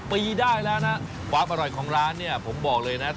ปีได้แล้วนะความอร่อยของร้านเนี่ยผมบอกเลยนะ